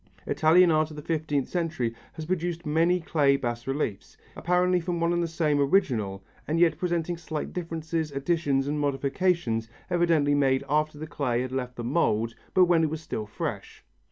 Italian art of the fifteenth century has produced many clay bas reliefs, apparently from one and the same original and yet presenting slight differences, additions and modifications evidently made after the clay had left the mould but when it was still fresh.